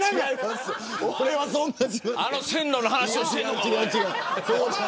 あの線路の話をしてるのかおまえ。